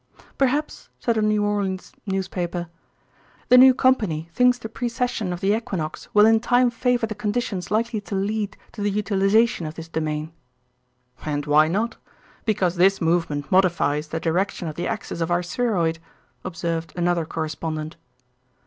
"Perhaps," said a New Orleans newspaper, "the new Company thinks the precession of the equinox will in time favor the conditions likely to lead to the utilization of this domain." "And why not? Because this movement modifies the direction of the axis of our spheroid," observed another correspondent.